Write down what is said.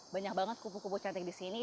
banyak banget pupu pupu cantik di sini